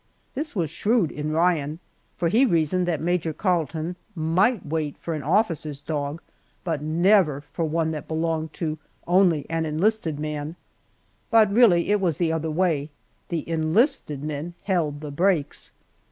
This was shrewd in Ryan, for he reasoned that Major Carleton might wait for an officer's dog, but never for one that belonged to only an enlisted man; but really it was the other way, the enlisted men held the brakes.